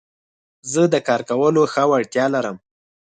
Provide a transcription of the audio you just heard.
زه د کار کولو ښه وړتيا لرم.